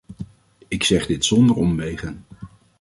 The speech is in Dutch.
Ik zeg dit zonder omwegen.